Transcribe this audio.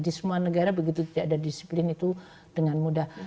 di semua negara begitu tidak ada disiplin itu dengan mudah